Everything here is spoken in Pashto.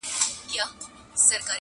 هم ډاریږي له آفته هم له لوږي وايی ساندي-